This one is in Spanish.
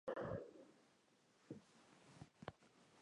Esto es debido a diferencias en la interpretación del artículo original.